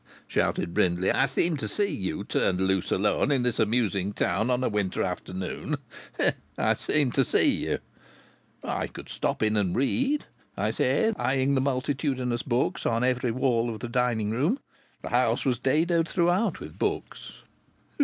"Ha ha!" shouted Brindley. "I seem to see you turned loose alone in this amusing town on a winter afternoon. I seem to see you!" "I could stop in and read," I said, eyeing the multitudinous books on every wall of the dining room. The house was dadoed throughout with books.